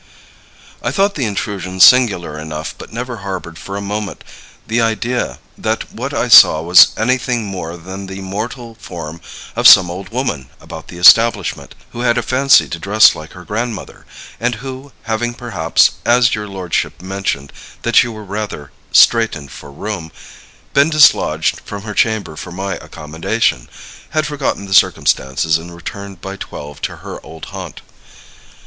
"I thought the intrusion singular enough, but never harbored for a moment the idea that what I saw was anything more than the mortal form of some old woman about the establishment, who had a fancy to dress like her grandmother, and who, having perhaps (as your lordship mentioned that you were rather straitened for room) been dislodged from her chamber for my accommodation, had forgotten the circumstance and returned by twelve to her old haunt.